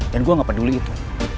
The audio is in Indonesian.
dan gue ga peduli itu